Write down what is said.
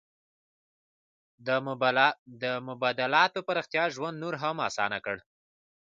د مبادلاتو پراختیا ژوند نور هم اسانه کړ.